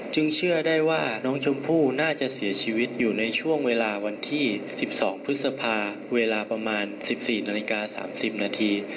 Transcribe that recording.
เชื่อได้ว่าน้องชมพู่น่าจะเสียชีวิตอยู่ในช่วงเวลาวันที่๑๒พฤษภาเวลาประมาณ๑๔นาฬิกา๓๐นาที